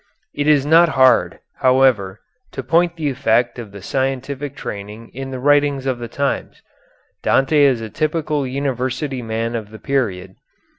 It is not hard, however, to point the effect of the scientific training in the writings of the times. Dante is a typical university man of the period.